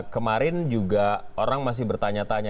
kemarin juga orang masih bertanya tanya